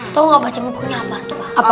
tau gak baca bukunya apa tuh